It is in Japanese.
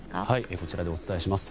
こちらでお伝えします。